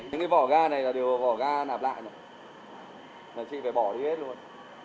những cái vỏ ga này là đều vỏ ga nạp lại rồi mà chị phải bỏ đi hết luôn